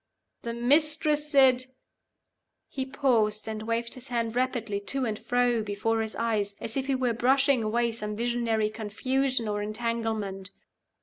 The Mistress said " He paused, and waved his hand rapidly to and fro before his eyes, as if he were brushing away some visionary confusion or entanglement.